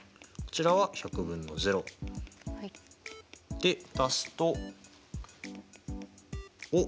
で足すとおっ！